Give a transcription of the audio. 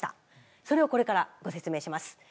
それをこれからご説明します。